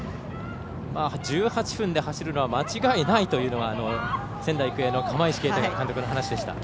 １８分で走るのは間違いないと先頭集団の釜石慶太監督の話でした。